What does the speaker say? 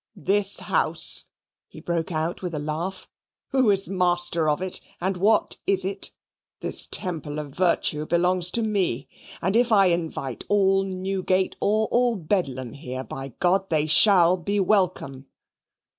This house?" He broke out with a laugh. "Who is the master of it? and what is it? This Temple of Virtue belongs to me. And if I invite all Newgate or all Bedlam here, by they shall be welcome."